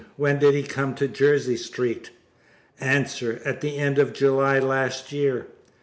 When did he come to Jersey Street? A. At the end of July, last year.